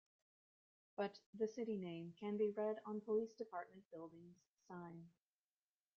But the city name can be read on police department building's sign.